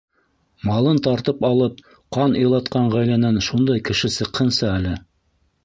Малын тартып алып ҡан илатҡан ғаиләнән шундай кеше сыҡһынсы әле!